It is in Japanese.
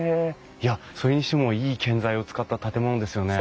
いやそれにしてもいい建材を使った建物ですよね。